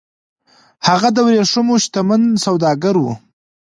هغه د ورېښمو شتمن سوداګر و